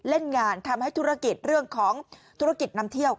เล่นงานทำให้ธุรกิจเรื่องของธุรกิจนำเที่ยว